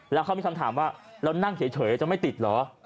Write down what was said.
แล้วเขามีคำถามว่าเรานั่งเฉยจะไม่ติดเหรอ